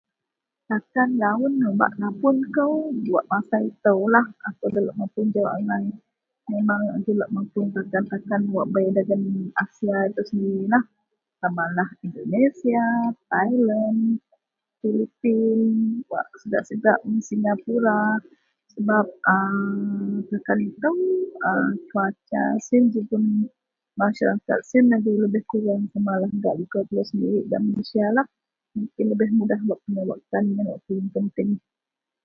Takan raun wak napun kou buat masa itou , akou nda lok mapun jawuk angai. memang akou lok mapun gak dagen Asia itou sendiriklah, samalah Indonesia, Thailand, Philippines, wak segak-segak Singapura sebab [a] takan itou, cuaca siyen jegem maseraket siyen lebeh kureang samalah gak likou telou sendirik gak Malaysia lah, mungkin lebeh mudah bak pinyieng wakkan atau wak penting - penting